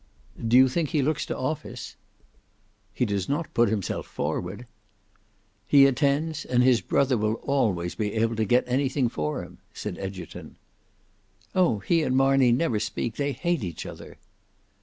"Do you think he looks to office?" "He does not put himself forward." "He attends; and his brother will always be able to get anything for him," said Egerton. "Oh! he and Marney never speak; they hate each other."